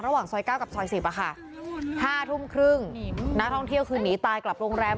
ระหว่างสอยเก้ากับสอยสิบห้าทุ่มครึ่งนักท่องเที่ยวคืนนีตายกลับโรงแรม